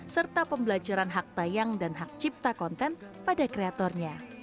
serta pembelajaran hak tayang dan hak cipta konten pada kreatornya